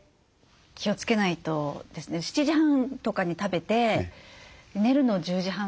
７時半とかに食べて寝るの１０時半ぐらい。